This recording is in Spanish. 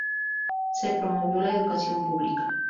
Se promovió la educación pública.